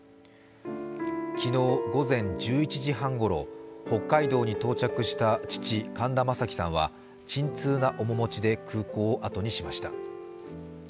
昨日午前１１時半ごろ、北海道に到着した父・神田正輝さんは沈痛な面持ちで空港をあとにしました。